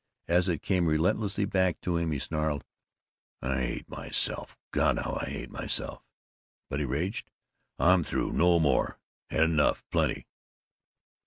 As it came relentlessly back to him he snarled, "I hate myself! God how I hate myself!" But, he raged, "I'm through! No more! Had enough, plenty!"